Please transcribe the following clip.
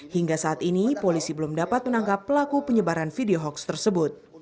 hingga saat ini polisi belum dapat menangkap pelaku penyebaran video hoax tersebut